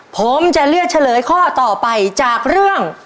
ผมจะเลือกเฉลยข้อต่อไปจากเรื่อง